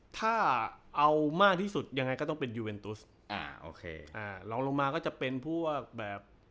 ถ้าเอามากที่สุดยังไงก็ต้องเป็นยูเอ็นตุสอ่าโอเคอ่าลองลงมาก็จะเป็นพวกแบบ